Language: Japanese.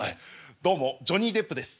どうもジョニー・デップです。